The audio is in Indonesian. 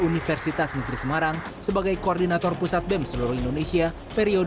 universitas netri semarang sebagai koordinator pusat bem seluruh indonesia periode dua ribu dua puluh satu dua ribu dua puluh dua